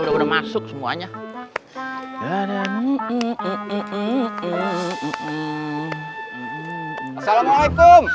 udah udah masuk semuanya dan ini